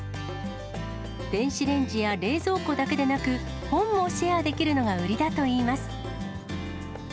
電子レンジや冷蔵庫だけでなく、本もシェアできるのが売りだといいます。